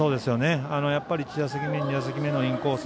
やっぱり１打席目２打席目のインコース。